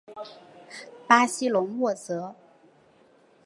巴西隆沃泽。